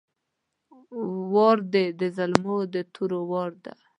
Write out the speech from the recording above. وار ده د زلمو د تورو وار ده!